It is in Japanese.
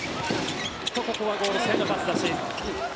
ここはゴール下へのパス出し。